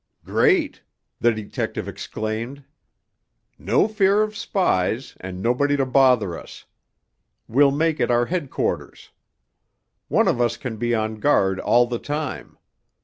"Great!" the detective exclaimed. "No fear of spies, and nobody to bother us. We'll make it our headquarters. One of us can be on guard all the time.